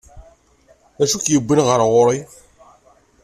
D acu i k-yewwin ɣer ɣur-i?